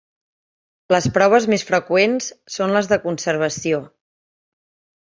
Les proves més freqüents són les de conservació.